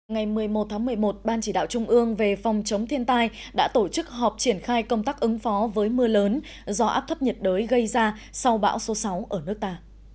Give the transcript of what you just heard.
ngày một mươi một tháng một mươi một ban chỉ đạo trung ương về phòng chống thiên tai đã tổ chức họp triển khai công tác ứng phó với mưa lớn do áp thấp nhiệt đới gây ra sau bão số sáu ở nước ta